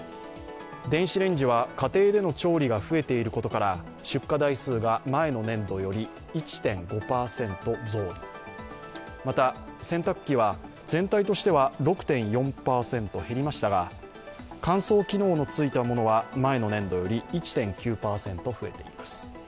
電子レンジは家庭での調理が増えていることから出荷台数が前の年度より１．５％増に、また、洗濯機は全体としては６．４％減りましたが乾燥機能のついたものは前の年度より１．９％増えています。